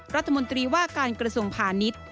รัฐมนตรีว่าการกระทรวงพาณิชย์